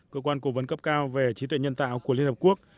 cơ quan cố vấn cấp cao về trí tuệ nhân tạo của liên hợp quốc